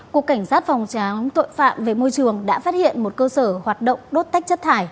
cục cảnh sát phòng tráng tội phạm về môi trường đã phát hiện một cơ sở hoạt động đốt tách chất thải